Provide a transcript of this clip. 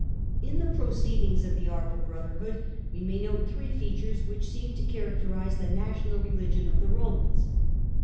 In the proceedings of the Arval Brotherhood we may note three features which seem to characterise the national religion of the Romans.